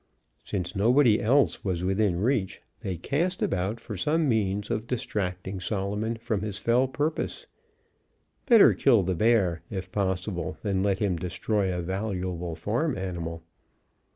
Since nobody else was within reach, they cast about for some means of distracting Solomon from his fell purpose. Better kill the bear, if possible, than let him destroy a valuable farm animal.